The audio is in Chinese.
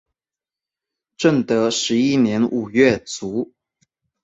正德十一年五月卒。